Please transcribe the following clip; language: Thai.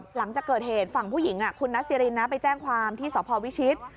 หลังจากเกิดเหตุฝั่งผู้หญิงคุณนัสซิรินนะไปแจ้งความที่สพวิชิต